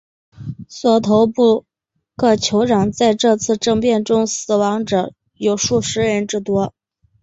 索头部各酋长在这次政变中死亡者有数十人之多。